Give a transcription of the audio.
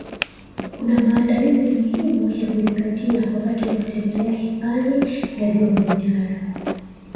Kuna maandalizi muhimu ya kuzingatia wakati wa kutembelea hifadhi ya ziwa manyara